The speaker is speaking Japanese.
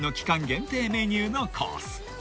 限定メニューのコース］